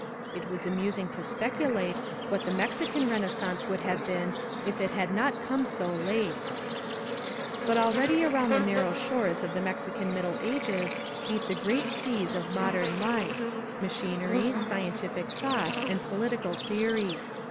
It was amusing to speculate what the Mexican Renaissance would have been if it had not come so late. But already around the narrow shores of the Mex ican Middle Ages beat the great seas of modem life — machinery, scientific thought, and political theory.